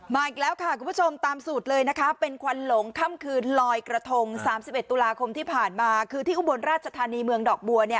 อีกแล้วค่ะคุณผู้ชมตามสูตรเลยนะคะเป็นควันหลงค่ำคืนลอยกระทง๓๑ตุลาคมที่ผ่านมาคือที่อุบลราชธานีเมืองดอกบัวเนี่ย